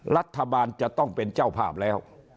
รัฐบาลจะต้องเป็นเจ้าภาพแล้ว